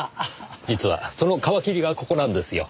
実はその皮切りがここなんですよ。